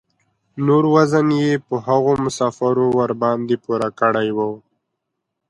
نور وزن یې په هغو مسافرو ورباندې پوره کړی و.